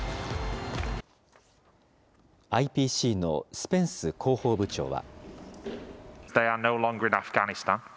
ＩＰＣのスペンス広報部長は。